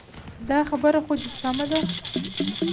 دا خبره خو دې سمه ده.